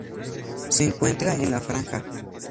Se encuentra en la Franja.